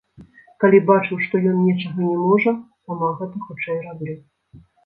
Калі бачу, што ён нечага не можа, сама гэта хутчэй раблю.